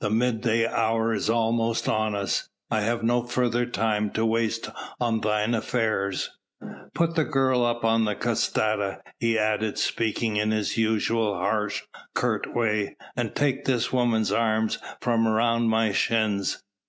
The midday hour is almost on us. I have no further time to waste on thine affairs. Put the girl up on the catasta," he added, speaking in his usual harsh, curt way, "and take this woman's arms from round my shins."